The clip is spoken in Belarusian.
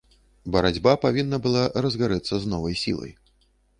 Барацьба павінна была разгарэцца з новай сілай.